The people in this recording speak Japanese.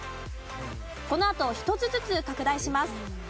このあと１つずつ拡大します。